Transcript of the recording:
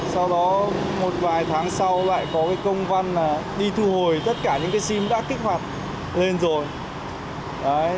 sau đó một vài tháng sau lại có công văn đi thu hồi tất cả những sim đã kích hoạt lên rồi